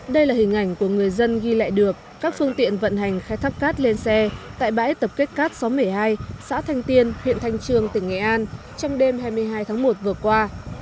đây là hình ảnh của người dân ghi lại được các phương tiện vận hành khai thác cát lên xe tại bãi tập kết cát xóm một mươi hai xã thanh tiên huyện thanh trương tỉnh nghệ an trong đêm hai mươi hai tháng một vừa qua